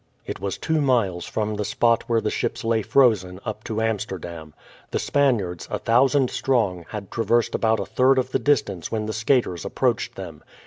It was two miles from the spot where the ships lay frozen up to Amsterdam. The Spaniards, a thousand strong, had traversed about a third of the distance when the skaters approached them.